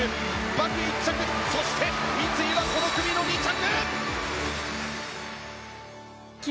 バクが１着そして三井は、この組の２着！